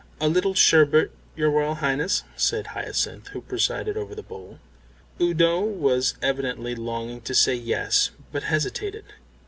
"A little sherbet, your Royal Highness?" said Hyacinth, who presided over the bowl. Udo was evidently longing to say yes, but hesitated.